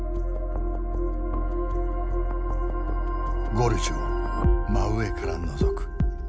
ゴルジュを真上からのぞく。